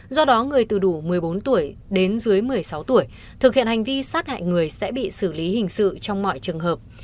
do đó người từ đủ một mươi bốn tuổi đến dưới một mươi sáu tuổi thực hiện hành vi sát hại người sẽ bị xử lý hình sự trong mọi trường hợp